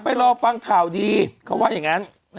รอฟังข่าวดีเขาว่าอย่างนั้น